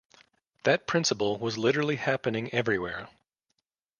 That principle was literally happening everywhere.